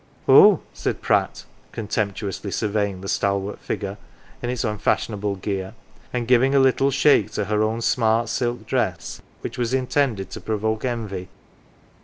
""" Oh !" said Pratt, contemptuously surveying the stalwart figure, in its unfashionable gear, and giving a little shake to her own smart silk dress which was intended to provoke envy.